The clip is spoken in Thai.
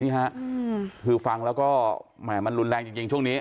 นี่ฮะคือฟังแล้วก็แหม่มันรุนแรงจริงช่วงนี้